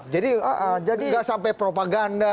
jadi nggak sampai propaganda